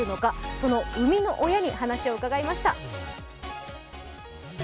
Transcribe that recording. その生みの親に話を伺いました。